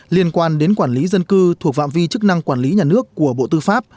liên quan đến quản lý dân cư thuộc phạm vi chức năng quản lý nhà nước của bộ tư pháp